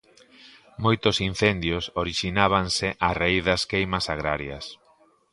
Moitos incendios orixinábanse a raíz das queimas agrarias.